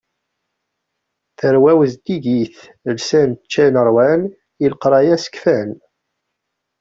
Tarwa-w zeddigit lsan, ččan rwan, i leqraya sekfan.